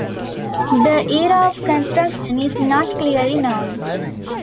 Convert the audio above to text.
The era of construction is not clearly known.